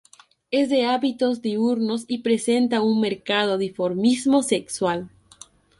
Es de hábitos diurnos y presenta un marcado dimorfismo sexual.